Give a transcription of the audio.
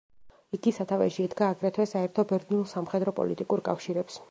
იგი სათავეში ედგა აგრეთვე საერთო ბერძნულ სამხედრო-პოლიტიკურ კავშირებს.